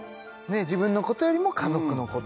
自分のことよりも家族のこと